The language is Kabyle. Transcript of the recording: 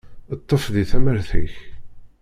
Ṭṭef di tamart-ik!